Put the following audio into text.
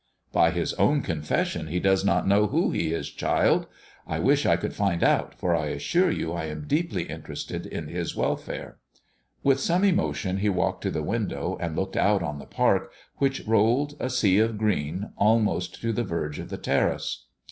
" By his own confession he does not know who he is, child. I wish I could find out, for I assure you I am deeply interested in his welfare." With some emotion ho walked to the window, and looked out on the park, which rolled a sea of green almost to the verge of the terrace.